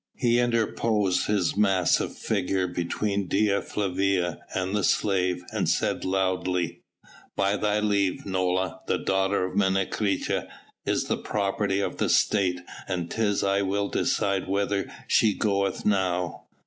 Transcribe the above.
He interposed his massive figure between Dea Flavia and the slave and said loudly: "By thy leave, Nola, the daughter of Menecreta, is the property of the State and 'tis I will decide whither she goeth now."